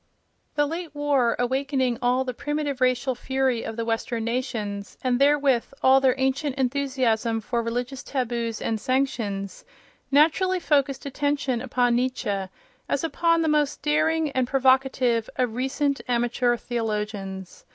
The late war, awakening all the primitive racial fury of the Western nations, and therewith all their ancient enthusiasm for religious taboos and sanctions, naturally focused attention upon Nietzsche, as upon the most daring and provocative of recent amateur theologians.